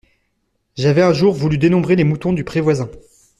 J’avais un jour voulu dénombrer les moutons du pré voisin.